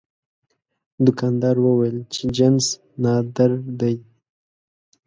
دوکاندار وویل چې جنس نادر دی.